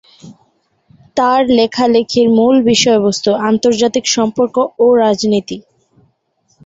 তার লেখালেখির মূল বিষয়বস্তু আন্তর্জাতিক সম্পর্ক ও রাজনীতি।